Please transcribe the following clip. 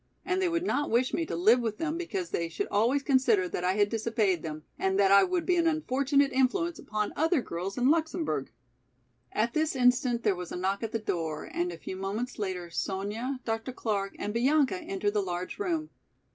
And they would not wish me to live with them because they should always consider that I had disobeyed them and that I would be an unfortunate influence upon other girls in Luxemburg." At this instant there was a knock at the door and a few moments later Sonya, Dr. Clark and Bianca entered the large room.